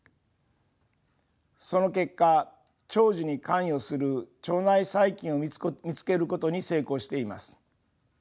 その結果長寿に関与する腸内細菌を見つけることに成功しています。